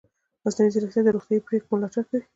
مصنوعي ځیرکتیا د روغتیايي پریکړو ملاتړ کوي.